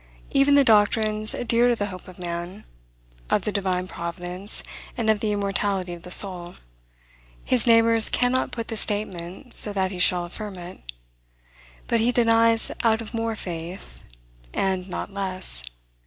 Even the doctrines dear to the hope of man, of the divine Providence, and of the immortality of the soul, his neighbors cannot put the statement so that he shall affirm it. But he denies out of more faith, and not less.